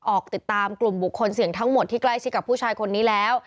ออกติดตามกลุ่มบุคคลเสี่ยงทั้งหมดที่ใกล้ชิดกับผู้ชายคนนี้แล้ว